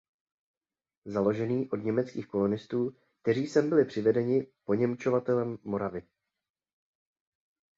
založený, od německých kolonistů, kteří sem byli přivedeni poněmčovatelem Moravy.